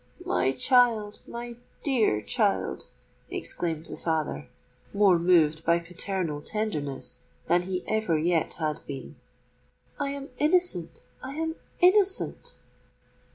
"My child—my dear child," exclaimed the father, more moved by paternal tenderness than he ever yet had been,—"I am innocent—I am innocent!"